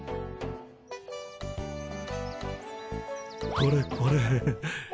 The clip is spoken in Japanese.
これこれ。